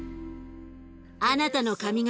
あなたの髪形